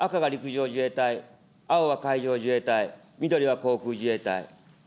赤が陸上自衛隊、青は海上自衛隊、緑は航空自衛隊。